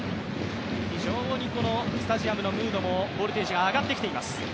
非常にスタジアムのムードも、ボルテージが上がってきています。